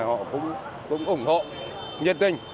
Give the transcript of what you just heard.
họ cũng ủng hộ nhiệt tình